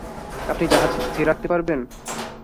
আপনি জাহাজ স্থির রাখতে পারবেন?